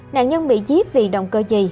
nạn nhân bị giết vì động cơ gì